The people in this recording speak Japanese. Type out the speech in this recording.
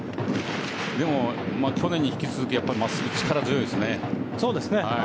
でも去年に引き続き真っすぐ力強いですね。